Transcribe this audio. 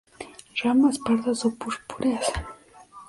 Ramas pardas o purpúreas.